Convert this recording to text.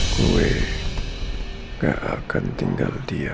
gue janganino nol sama dia ya